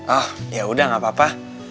oh ya udah gak apa apa